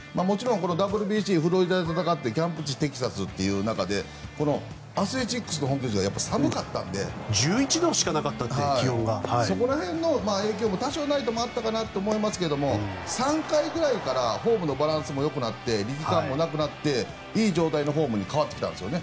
ＷＢＣ、フロリダで戦ってキャンプ地テキサスという中でアスレチックスの本拠地が１１度しかそこら辺の影響も多少なりともあったと思いますが３回ぐらいからフォームのバランスもよくなって力感もよくなっていい状態のフォームに変わってきたんです。